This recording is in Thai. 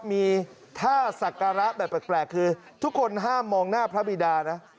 มีท่าสักการะแบบแปลกคือทุกคนห้ามมองหน้าพระบิดานะ